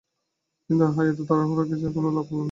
কিন্তু হায়! এত তাড়াহুড়া করে এসেও কোন লাভ হল না।